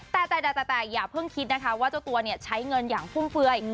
แต่แต่อย่าเพิ่งคิดนะคะว่าเจ้าตัวใช้เงินอย่างฟุ่มเฟือย